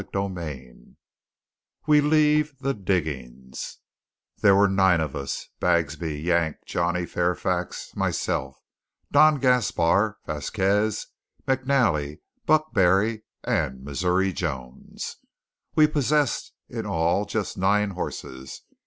CHAPTER XXI WE LEAVE THE DIGGINGS There were nine of us Bagsby, Yank, Johnny Fairfax, myself, Don Gaspar, Vasquez, McNally, Buck Barry, and Missouri Jones. We possessed, in all, just nine horses.